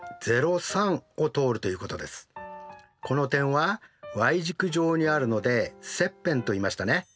この点はｙ軸上にあるので切片といいましたね。